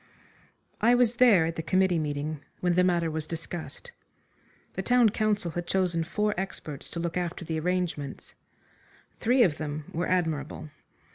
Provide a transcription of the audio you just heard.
I was there at the committee meeting when the matter was discussed. The town council had chosen four experts to look after the arrangements. Three of them were admirable.